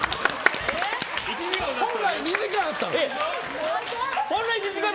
本来２時間だったの？